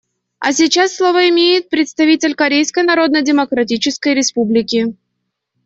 А сейчас слово имеет представитель Корейской Народно-Демократической Республики.